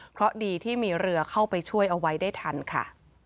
เพราะดีที่มีเรือเข้าไปช่วยเอาไว้ได้ทันค่ะ